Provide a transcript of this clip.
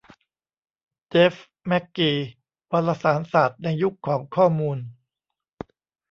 เจฟ แมคกี : วารสารศาสตร์ในยุคของข้อมูล